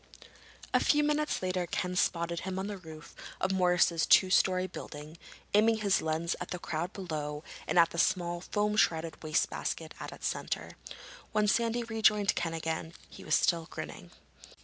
A few minutes later Ken spotted him on the roof of Morris's two story building, aiming his lens at the crowd below and at the small foam shrouded wastebasket at its center. When Sandy rejoined Ken again he was still grinning.